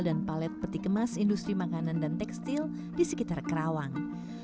dan palet peti kemas industri makanan dan tekstil di sekitar kerawang